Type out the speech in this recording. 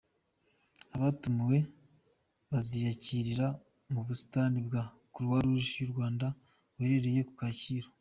Abatumiwe baziyakirira mu busitani bwa Croix Rouge y’u Rwanda buherereye ku Kacyiru.